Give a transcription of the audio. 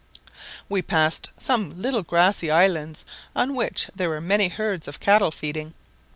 We passed some little grassy islands on which there were many herds of cattle feeding.